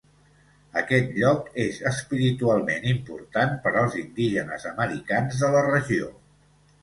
Aquest lloc és espiritualment important per als indígenes americans de la regió.